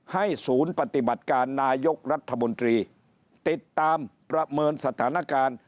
ศูนย์ปฏิบัติการนายกรัฐมนตรีติดตามประเมินสถานการณ์